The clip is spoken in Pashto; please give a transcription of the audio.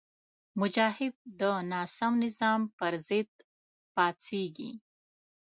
مجاهد د ناسم نظام پر ضد پاڅېږي.